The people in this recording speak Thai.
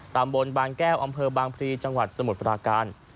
ตำบลบางแก้วอำเภอบางพลีจังหวัดสมุทรปราการ